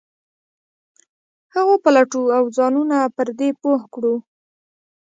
هغه وپلټو او ځانونه پر دې پوه کړو.